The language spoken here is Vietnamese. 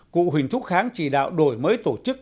cụ huỳnh thúc kháng chỉ đạo đổi mới tổ chức